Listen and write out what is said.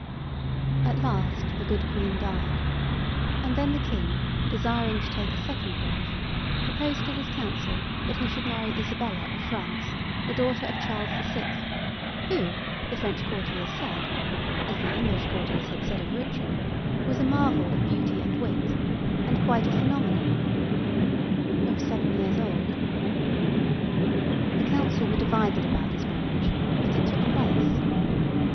At last the good Queen died, and then the King, desiring to take a second wife, proposed to his council that he should marry Isabella, of France, the daughter of Charles the Sixth: who, the French courtiers said (as the English courtiers had said of Richard), was a marvel of beauty and wit, and quite a phenomenon—of seven years old. The council were divided about this marriage, but it took place.